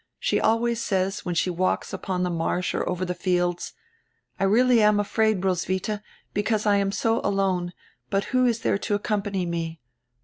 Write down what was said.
She always says, when she walks upon die marsh or over die fields: 'I am really afraid, Roswitha, because I am so alone; but who is there to accompany me?